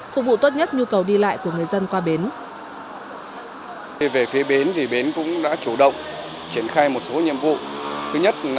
phục vụ tốt nhất nhu cầu đi lại của người dân qua bến